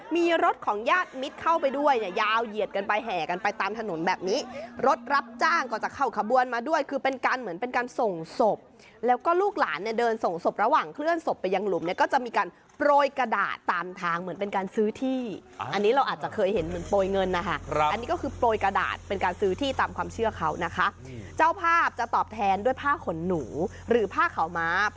มีรถของญาติมิตรเข้าไปด้วยยาวเหยียดกันไปแห่กันไปตามถนนแบบนี้รถรับจ้างก็จะเข้าขบวนมาด้วยคือเป็นการเหมือนเป็นการส่งศพแล้วก็ลูกหลานเนี่ยเดินส่งศพระหว่างเคลื่อนศพไปยังหลุมเนี่ยก็จะมีการโปรยกระดาษตามทางเหมือนเป็นการซื้อที่อันนี้เราอาจจะเคยเห็นเหมือนโปรยเงินนะคะอันนี้ก็คือโปรยกระดา